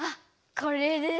これです。